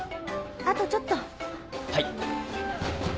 ・あとちょっと・はい。